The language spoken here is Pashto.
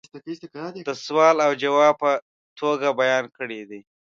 دسوال او جواب په توگه بیان کړي دي